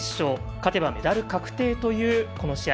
勝てばメダル確定というこの試合。